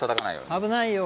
危ないよ。